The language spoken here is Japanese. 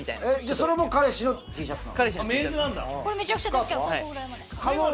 それも彼氏のＴシャツなの？